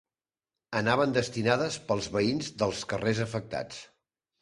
Anaven destinades per als veïns dels carrers afectats.